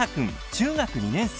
中学生２年生。